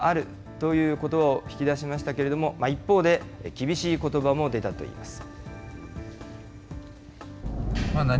相手から対話の用意はあるということばを引き出しましたけれども、一方で、厳しいことばも出たといいます。